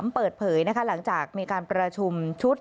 เปิดเผยหลังจากมีการประชุมชุด